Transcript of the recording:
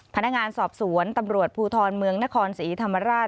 พนักงานสอบสวนตำรวจภูทรเมืองนครศรีธรรมราช